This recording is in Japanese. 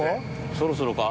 そろそろか？